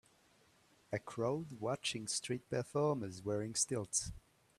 A crowd watching street performers wearing stilts.